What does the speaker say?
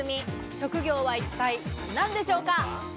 職業は一体何でしょうか？